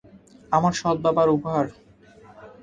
আমার সৎ বাবার উপহার।